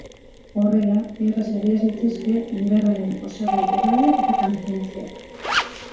Horrela, erraz adieraz daitezke indarraren osagai erradial eta tangentziala.